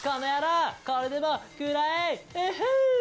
これでも食らえ！